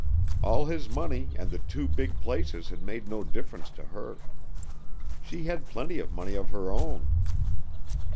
All his money and the two big places had made no difference to her. She had plenty of money of her own.